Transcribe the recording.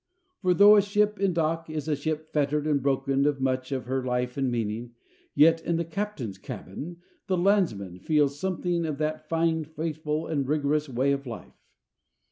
For though a ship in dock is a ship fettered and broken of much of her life and meaning, yet in the captain's cabin the landsman feels something of that fine, faithful, and rigorous way of life.